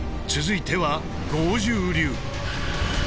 続いては剛柔流。